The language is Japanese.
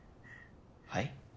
はい？